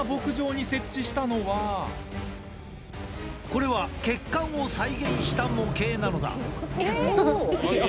これは、血管を再現した模型なのだ。